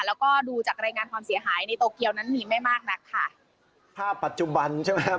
แล้วก็ดูจากรายงานความเสียหายในโตเกียวนั้นมีไม่มากนักค่ะภาพปัจจุบันใช่ไหมครับ